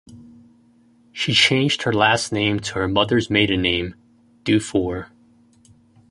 She changed her last name to her mother's maiden name, Dufour.